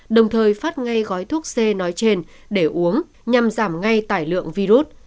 đồng thời phát ngay gói thuốc c nói trên để uống nhằm giảm ngay tải lượng virus